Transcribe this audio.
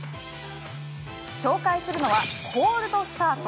紹介するのはコールドスタート。